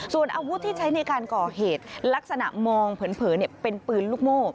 ส่วนอาวุธที่ใช้ในการก่อเหตุลักษณะมองเผินเป็นปืนลูกโม่